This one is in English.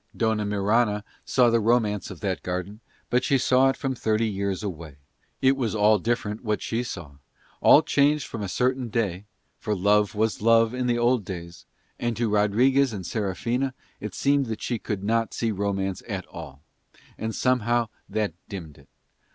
Dona Mirana saw the romance of that garden, but she saw it from thirty years away; it was all different what she saw, all changed from a certain day (for love was love in the old days): and to Rodriguez and Serafina it seemed that she could not see romance at all, and somehow that dimmed it.